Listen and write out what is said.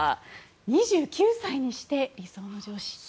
２９歳にして理想の上司。